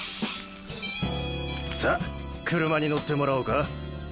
さぁ車に乗ってもらおうか。